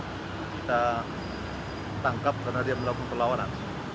kita tangkap karena dia melakukan perlawanan